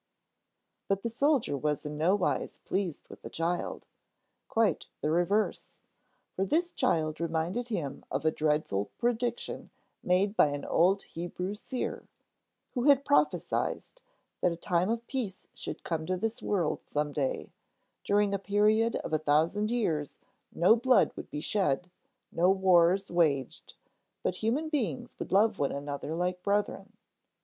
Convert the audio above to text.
But the soldier was in nowise pleased with the child; quite the reverse! For this child reminded him of a dreadful prediction made by an old Hebrew seer, who had prophesied that a time of peace should come to this world some day; during a period of a thousand years no blood would be shed, no wars waged, but human beings would love one another like brethren.